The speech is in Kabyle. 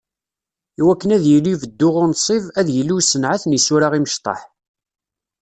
I wakken ad yili beddu unṣib, ad d-yili usenɛet n yisura imecṭaḥ.